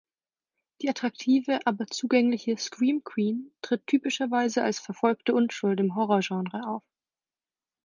Die attraktive, aber zugängliche "Scream Queen" tritt typischerweise als verfolgte Unschuld im Horrorgenre auf.